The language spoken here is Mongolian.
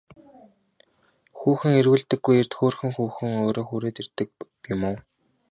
Хүүхэн эргүүлдэггүй эрд хөөрхөн хүүхэн өөрөө хүрээд ирдэг юм уу?